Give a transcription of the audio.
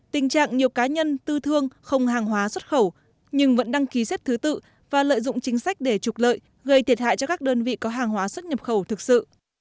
tình trạng nhiều cá nhân tư thương không hàng hóa xuất khẩu nhưng vẫn đăng ký xếp thứ tự và lợi dụng chính sách để trục lợi gây thiệt hại cho các đơn vị có hàng hóa xuất nhập khẩu thực sự